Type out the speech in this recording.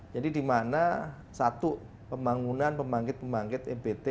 jadi dimana satu pembangunan pembangkit pembangkit ipt